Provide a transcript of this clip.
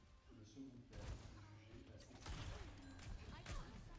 Le second thème est jugé assez conventionnel.